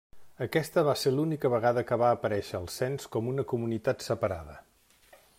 Aquesta va ser l'única vegada que va aparèixer al cens com una comunitat separada.